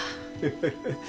フフフ。